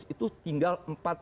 itu tinggal empat dua